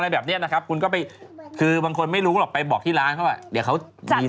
แต่บางคนไม่รู้หรอกไปบอกที่ร้านก็แบบเดี๋ยวเขาจัดไปให้